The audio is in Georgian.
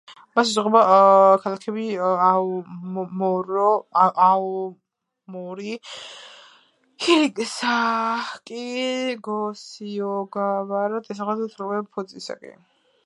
მას ესაზღვრება ქალაქები აომორი, ჰიროსაკი, გოსიოგავარა, დასახლებები ცურუტა, ფუძისაკი.